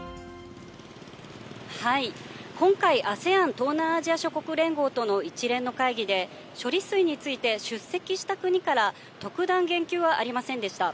今回、ＡＳＥＡＮ・東南アジア諸国連合との一連の会議で、処理水について出席した国から、特段言及はありませんでした。